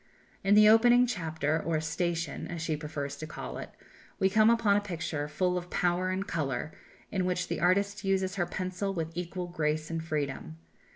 In the opening chapter or "station," as she prefers to call it, we come upon a picture full of power and colour, in which the artist uses her pencil with equal grace and freedom.